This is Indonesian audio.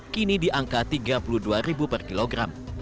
kini di angka rp tiga puluh dua per kilogram